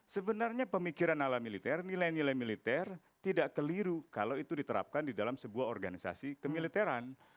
sebenarnya pemikiran ala militer nilai nilai militer tidak keliru kalau itu diterapkan di dalam sebuah organisasi kemiliteran